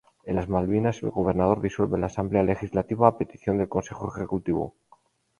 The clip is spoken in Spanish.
En las Malvinas, el Gobernador disuelve la Asamblea Legislativa a petición del Consejo Ejecutivo.